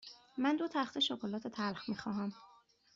من دو تخته شکلات تلخ می خواهم.